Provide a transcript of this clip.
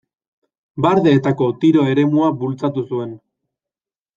Bardeetako tiro eremua bultzatu zuen.